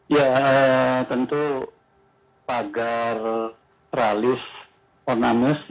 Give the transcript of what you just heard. ya tentu pagar teralis onamus ya